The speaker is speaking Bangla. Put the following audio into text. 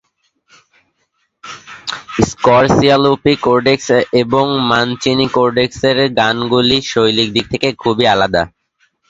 স্করসিয়ালুপি কোডেক্স এবং মানচিনি কোডেক্সের গানগুলি শৈলীর দিক থেকে খুবই আলাদা।